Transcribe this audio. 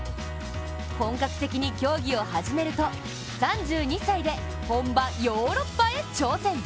本格的に競技を始めると３２歳で本場ヨーロッパへ挑戦。